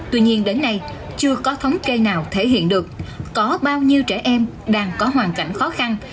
tuy nhiên đến nay chưa có thống kê nào thể hiện được có bao nhiêu trẻ em đang có hoàn cảnh khó khăn